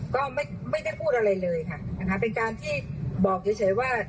ก็ไม่ได้พูดอะไรเลยค่ะนะคะเป็นการที่บอกเฉยว่า